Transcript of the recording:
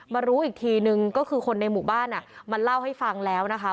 รู้อีกทีนึงก็คือคนในหมู่บ้านมาเล่าให้ฟังแล้วนะคะ